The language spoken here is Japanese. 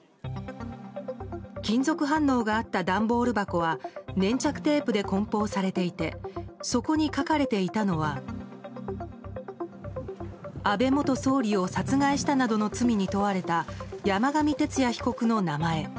金属反応があった段ボール箱は粘着テープで梱包されていてそこに書かれていたのは安倍元総理を殺害したなどの罪に問われた山上徹也被告の名前。